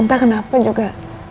entah kenapa juga